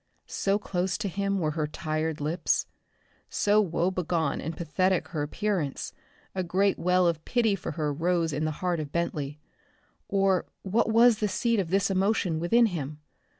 So close to him were her tired lips. So woe begone and pathetic her appearance, a great well of pity for her rose in the heart of Bentley or what was the seat of this emotion within him?